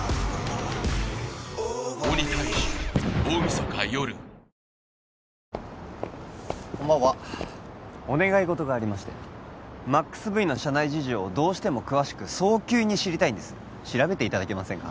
そこかこんばんはお願い事がありましてｍａｘＶの社内事情をどうしても詳しく早急に知りたいんです調べていただけませんか？